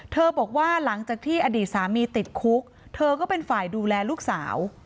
บอกว่าหลังจากที่อดีตสามีติดคุกเธอก็เป็นฝ่ายดูแลลูกสาว